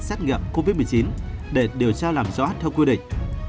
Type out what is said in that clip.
xét nghiệm covid một mươi chín để điều tra làm rõ theo quy định